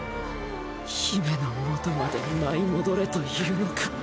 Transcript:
姫のもとまで舞い戻れというのか。